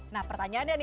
nah pertanyaannya nih ya